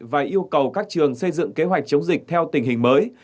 và yêu cầu các trường xây dựng kế hoạch chống dịch theo tình hình mới